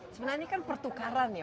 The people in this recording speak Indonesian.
sebenarnya kan pertukaran ya